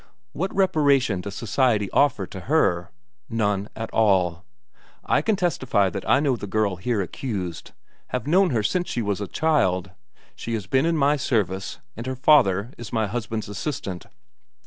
What reparation does society offer to her? None at all! I can testify that I know the girl here accused; have known her since she was a child; she has been in my service, and her father is my husband's assistant.